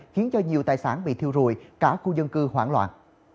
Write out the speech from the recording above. khiến cho nhiều tài sản bị thiêu rùi cả khu dân cư hoảng loạn